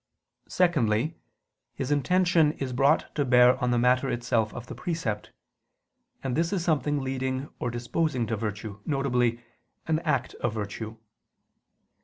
Secondly, his intention is brought to bear on the matter itself of the precept: and this is something leading or disposing to virtue, viz. an act of virtue.